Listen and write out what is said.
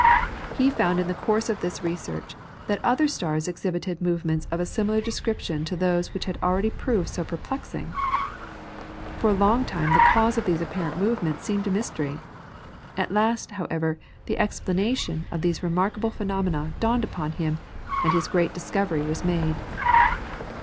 He found in the course of this research that other stars exhibited movements of a similar description to those which had already proved so perplexing. For a long time the cause of these apparent movements seemed a mystery. At last, however, the explanation of these remarkable phenomena dawned upon him, and his great discovery was made.